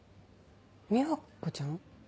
⁉美和子ちゃん？